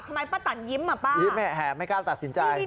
ทำไมปะตันยิ้มมาปะยิ้มแหงไม่กล้าตัดสินใจ